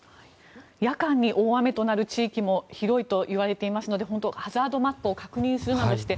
夜間に大雨となる地域も広いと言われていますので本当ハザードマップを確認するなどして